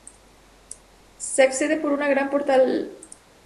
Se accede por una gran portalada que nos lleva a los jardines interiores.